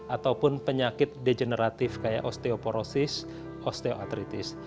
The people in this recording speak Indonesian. ataupun penyakit degeneratif kayak osteoporosis osteoartritis